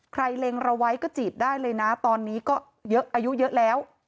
เล็งเราไว้ก็จีบได้เลยนะตอนนี้ก็เยอะอายุเยอะแล้ว